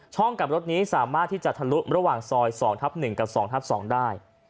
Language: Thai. ช่องกลับรถนี้สามารถที่จะทะลุระหว่างซอย๒๑กับ๒๒ได้